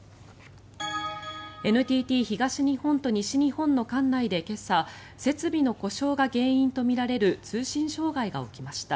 ＮＴＴ東日本と西日本の管内で今朝設備の故障が原因とみられる通信障害が起きました。